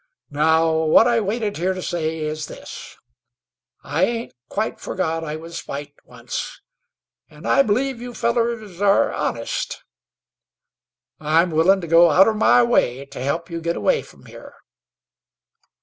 Now what I waited here to say is this: I ain't quite forgot I was white once, an' believe you fellars are honest. I'm willin' to go outer my way to help you git away from here."